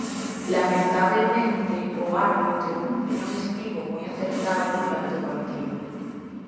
Lamentabelmente, o árbitro non estivo moi acertado durante o partido.